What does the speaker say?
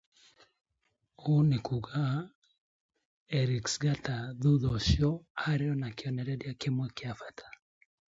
This meant that the Eriksgata thereafter had only symbolic importance.